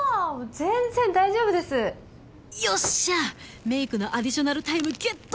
全然大丈夫ですよっしゃメイクのアディショナルタイムゲット！